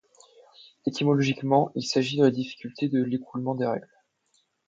Étymologiquement, il s'agit de la difficulté de l'écoulement des règles.